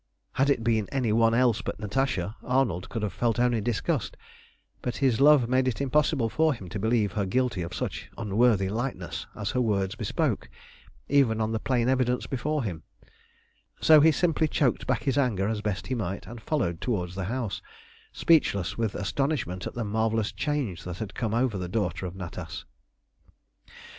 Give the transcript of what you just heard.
Had it been any one else but Natasha, Arnold could have felt only disgust; but his love made it impossible for him to believe her guilty of such unworthy lightness as her words bespoke, even on the plain evidence before him, so he simply choked back his anger as best he might, and followed towards the house, speechless with astonishment at the marvellous change that had come over the daughter of Natas.